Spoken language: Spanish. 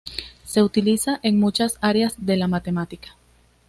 Se utiliza en muchas áreas de la matemática.